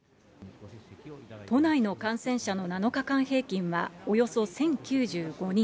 都内の感染者の７日間平均はおよそ１０９５人。